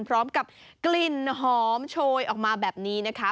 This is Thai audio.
พร้อมกับกลิ่นหอมโชยออกมาแบบนี้นะคะ